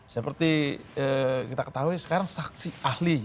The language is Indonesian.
seperti kita ketahui sekarang saksi ahli